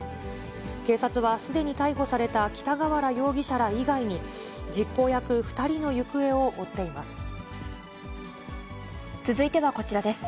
警察はすでに逮捕された北河原容疑者ら以外に、実行役２人の行方続いてはこちらです。